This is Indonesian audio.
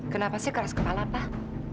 kenapa sih keras kepala pak